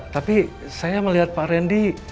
tapi saya melihat pak randy